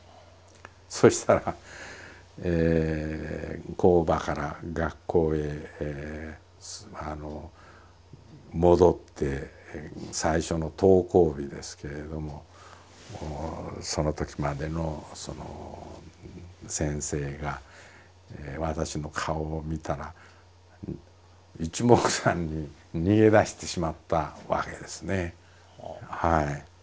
そしたら工場から学校へ戻って最初の登校日ですけれどももうそのときまでの先生が私の顔を見たら一目散に逃げ出してしまったわけですね。